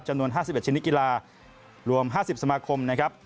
จำนวน๕๑ชนิดกีฬารวม๕๐สมาคมนะครับ